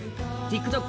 ＴｉｋＴｏｋ